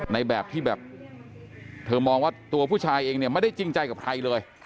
ในแบบที่แบบเธอมองว่าตัวผู้ชายเองเนี่ยไม่ได้จริงใจกับใครเลย